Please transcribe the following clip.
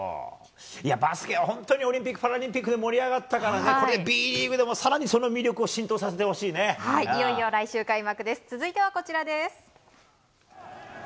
バスケは本当にオリンピック・パラリンピックで盛り上がったからＢリーグでも更にその魅力をいよいよ来週、開幕。